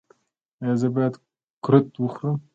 ایا زه باید قروت وخورم؟